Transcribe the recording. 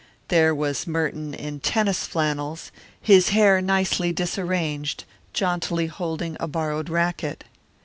There was Merton in tennis flannels, his hair nicely disarranged, jauntily holding a borrowed racquet.